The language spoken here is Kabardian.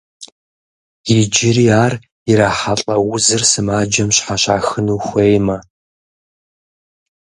Иджыри ар ирахьэлӏэ узыр сымаджэм щхьэщахыну хуеймэ.